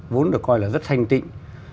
vốn được coi là rất thanh tịnh